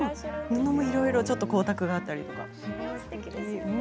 ものもいろいろちょっと光沢があったり。